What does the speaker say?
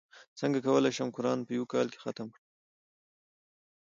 څنګه کولی شم قران په یوه کال کې ختم کړم